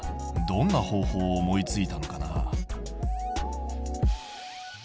どんな方法を思いついたのかな？